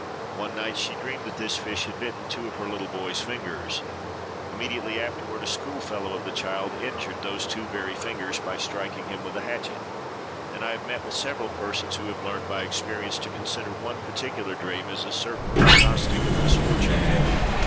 One night she dreamed that this fish had bitten two of her little boy's fingers. Immediately afterward a schoolfellow of the child's injured those two very fingers by striking him with a hatchet; and I have met with several persons who have learned, by experience, to consider one particular dream as the certain prognostic of misfortune.